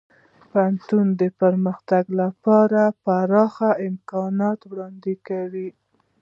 پوهنتون د پرمختګ لپاره پراخه امکانات وړاندې کوي.